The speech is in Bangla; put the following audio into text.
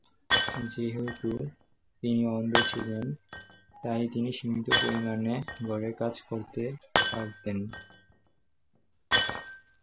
যেহেতু তিনি অন্ধ ছিলেন, তাই তিনি সীমিত পরিমাণে ঘরের কাজ করতে পারতেন।